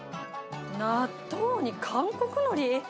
納豆に韓国のり？